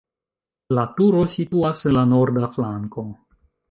La turo situas en la norda flanko.